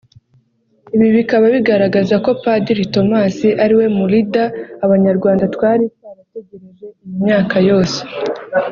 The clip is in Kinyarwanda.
Ibi bikaba bigaragaza ko Padiri Thomas ari we mu “leader” abanyarwanda twari twarategereje iyi myaka yose